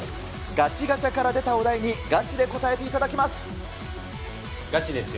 ガチガチャから出たお題に、ガチですよ。